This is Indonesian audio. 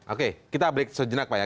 oke kita break sejenak pak ya